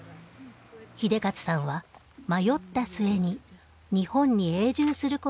英捷さんは迷った末に日本に永住することを決めました。